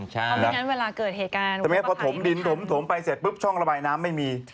เพราะฉะนั้นเวลาเกิดเหตุการณ์พอถมดินถมไปเสร็จช่องระบายน้ำไม่มี